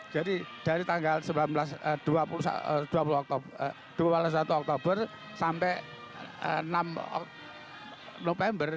dari tanggal dua puluh satu oktober sampai enam november